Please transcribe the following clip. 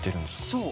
そう。